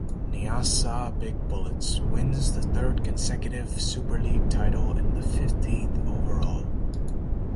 Nyasa Big Bullets wins the third consecutive Super League title and the fifteenth overall.